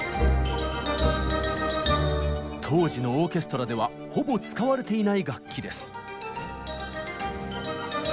当時のオーケストラではほぼ使われていない楽器です。